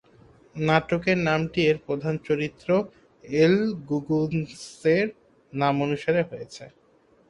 নাটকের নামটি এর প্রধান চরিত্র ‘এল গুগুন্সে’র নামানুসারে হয়েছে।